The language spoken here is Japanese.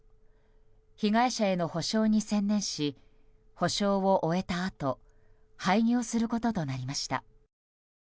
被害者への補償に専念し補償を終えたあと廃業することとなりました。